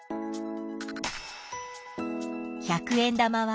百円玉は？